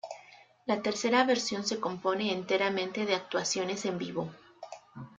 La tercera versión se compone enteramente de actuaciones en vivo.